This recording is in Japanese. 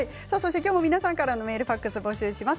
きょうも皆さんからのメール、ファックスを募集します。